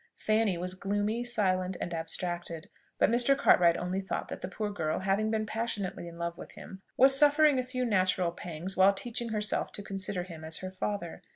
Fanny was gloomy, silent, and abstracted; but Mr. Cartwright only thought that the poor girl, having been passionately in love with him, was suffering a few natural pangs while teaching herself to consider him as her father.